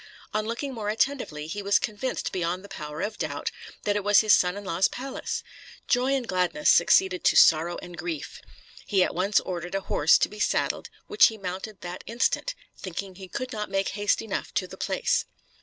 On looking more attentively he was convinced beyond the power of doubt that it was his son in law's palace. Joy and gladness succeeded to sorrow and grief. He at once ordered a horse to be saddled, which he mounted that instant, thinking he could not make haste enough to the place.